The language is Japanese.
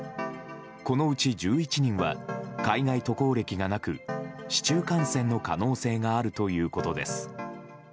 このうち１１人は海外渡航歴がなく市中感染の可能性があるということです。